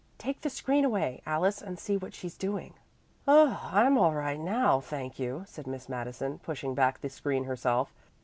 Take the screen away, Alice, and see what she's doing." "Oh, I'm all right now, thank you," said Miss Madison, pushing back the screen herself.